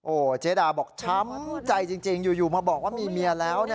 เจดาบอกช้ำใจจริงอยู่มาบอกว่ามีเมียแล้วนะ